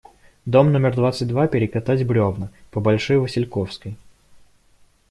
Дом номер двадцать два, перекатать бревна, по Большой Васильковской.